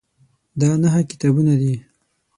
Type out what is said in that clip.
دا نهه کتابونه دي.